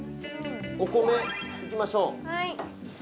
お米、入れましょう。